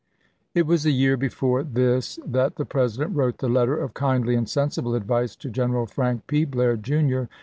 It was a year before this that the President wrote the letter of kindly and sensible advice to General Frank P. Blair, Jr.